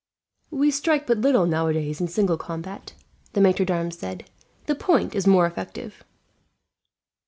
"We strike but little, nowadays, in single combat," the maitre d'armes said. "The point is more effective."